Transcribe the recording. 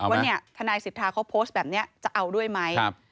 ว่าทนายสิทธาเขาโพสต์แบบนี้จะเอาด้วยไหม